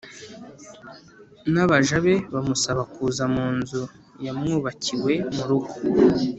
N abaja be bamusaba kuza mu nzu yamwubakiwe mu rugo